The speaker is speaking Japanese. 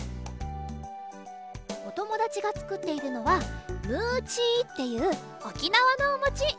おともだちがつくっているのは「ムーチー」っていうおきなわのおもち。